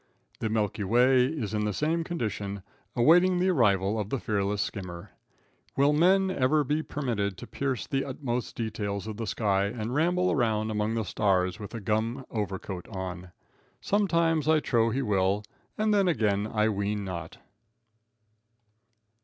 The Milky Way is in the same condition, awaiting the arrival of the fearless skimmer. Will men ever be permitted to pierce the utmost details of the sky and ramble around among the stars with a gum overcoat on? Sometimes I trow he will, and then again I ween not.